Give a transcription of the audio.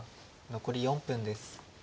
残り４分です。